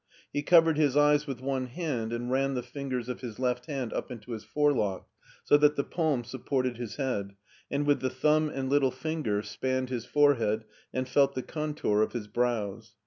He covered his eyes with one hand and ran the fingers of his left hand up into his forelock, so that the palm supported his head, and with the thumb and little finger spanned his forehead and felt the contour of his brows.